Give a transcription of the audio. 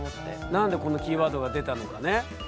何でこんなキーワードが出たのかね。